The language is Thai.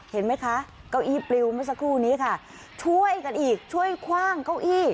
เห็นไหมคะเก้าอี้ปลิวเมื่อสักครู่นี้ค่ะช่วยกันอีกช่วยคว่างเก้าอี้